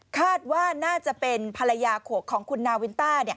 คาดว่าน่าจะเป็นภรรยาของคุณนาวินต้า